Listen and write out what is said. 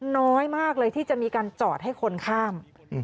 น้อยมากเลยที่จะมีการจอดให้คนข้าม